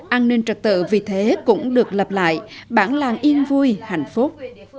an ninh trật tự vì thế cũng được lập lại bản làng yên vui hạnh phúc